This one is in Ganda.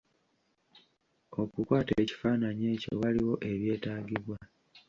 Okukwata ekifaananyi ekyo waliwo ebyetaagibwa?